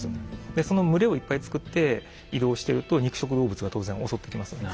でその群れをいっぱい作って移動してると肉食動物が当然襲ってきますよね。